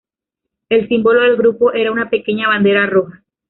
El símbolo del grupo era una pequeña bandera roja.